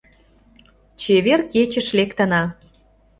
Чевер кечыш лектына.